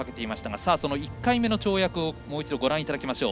フラー・ヨングの１回目の跳躍をもう一度ご覧いただきましょう。